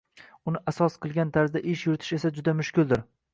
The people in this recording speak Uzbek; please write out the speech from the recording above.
uni asos qilgan tarzda ish yuritish esa juda mushkuldir.